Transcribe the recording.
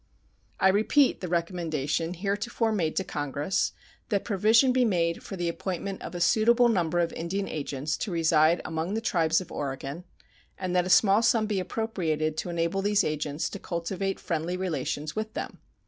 I repeat the recommendation heretofore made to Congress, that provision be made for the appointment of a suitable number of Indian agents to reside among the tribes of Oregon, and that a small sum be appropriated to enable these agents to cultivate friendly relations with them.